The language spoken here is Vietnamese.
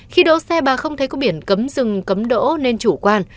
khi đỗ xe bà không thấy có biển cấm rừng cấm đỗ nên chủ quan